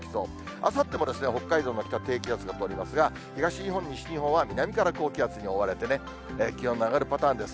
あさっても北海道の北、低気圧が通りますが、東日本、西日本は南から高気圧に覆われて、気温の上がるパターンです。